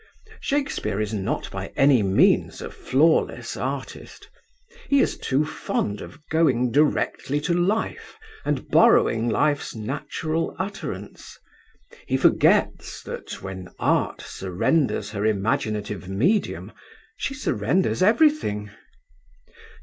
Shakespeare is not by any means a flawless artist. He is too fond of going directly to life, and borrowing life's natural utterance. He forgets that when Art surrenders her imaginative medium she surrenders everything.